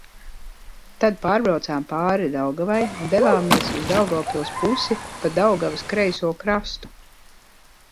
Tad pārbraucām pāri Daugavai un devāmies uz Daugavpils pusi pa Daugavas kreiso krastu.